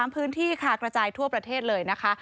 พื้นที่ค่ะกระจายทั่วประเทศเลยนะคะ